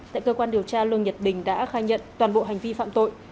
tại cơ quan điều tra lương nhật bình đã khai nhận toàn bộ hành vi phạm tội